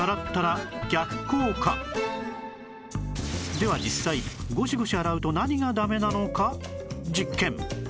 では実際ゴシゴシ洗うと何がダメなのか実験